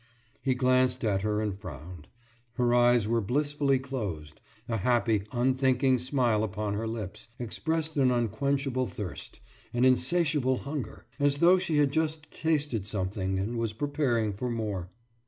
He glanced at her and frowned. Her eyes were blissfully closed; a happy, unthinking smile upon her lips expressed an unquenchable thirst, an insatiable hunger, as though she had just tasted something and was preparing for more.